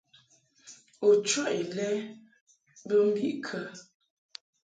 U chɔʼ ilɛ bə mbiʼ kə ?